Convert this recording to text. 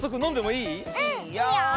いいよ。